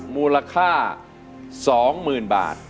มูลค่าสองหมื่นบาท